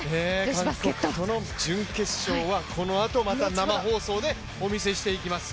この準決勝はこのあとまた生放送でお見せしていきます。